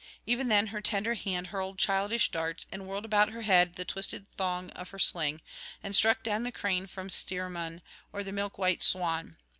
Even then her tender hand hurled childish darts, and whirled about her head the twisted thong of her sling, and struck down the crane from Strymon or the milk white swan.